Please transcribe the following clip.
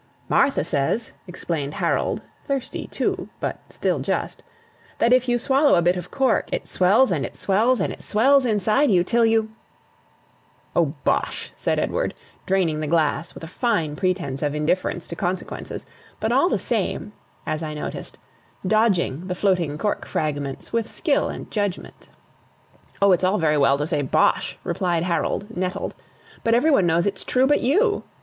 "Martha says," explained Harold (thirsty too, but still just), "that if you swallow a bit of cork, it swells, and it swells, and it swells inside you, till you " "O bosh!" said Edward, draining the glass with a fine pretence of indifference to consequences, but all the same (as I noticed) dodging the floating cork fragments with skill and judgment. "O, it's all very well to say bosh," replied Harold, nettled; "but every one knows it's true but you.